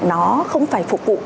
nó không phải phục vụ